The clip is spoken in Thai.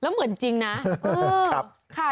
แล้วเหมือนจริงนะ